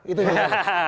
itu yang terlalu